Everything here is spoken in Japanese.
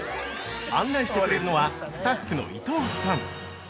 ◆案内してくれるのは、スタッフの伊藤さん。